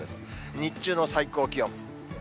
日中の最高気温。